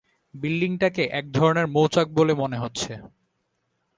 বিল্ডিংটাকে এক ধরণের মৌচাক বলে মনে হচ্ছে।